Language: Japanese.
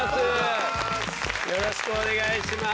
よろしくお願いします。